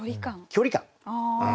距離感。